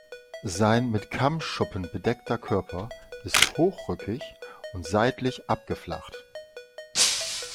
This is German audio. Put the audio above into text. Sein mit Kammschuppen bedeckter Körper ist hochrückig und seitlich abgeflacht.